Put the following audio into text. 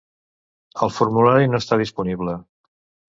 El formulari no està disponible.